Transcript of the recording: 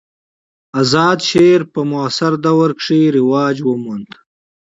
آزاد شعر په معاصره دوره کښي رواج وموند.